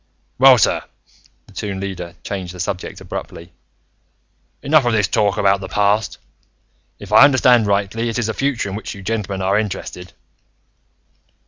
"Well, sir," the Toon Leader changed the subject abruptly, "enough of this talk about the past. If I understand rightly, it is the future in which you gentlemen are interested."